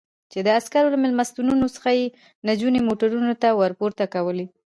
چې د عسکرو له مېلمستونونو څخه یې نجونې موټرونو ته ور پورته کولې.